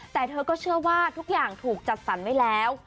แต่เธอก็เชื่อว่าทุกอย่างถูกจัดสรรไว้แล้ว